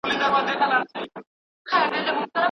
ملکیت د انسان د هوساینې لپاره یو مهم وسیله ده.